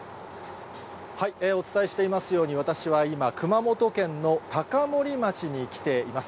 お伝えしていますように、私は今、熊本県の高森町に来ています。